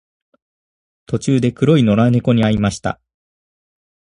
途中で黒い野良猫に会いました。